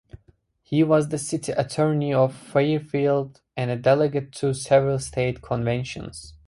He was the city attorney of Fairfield and a delegate to several State conventions.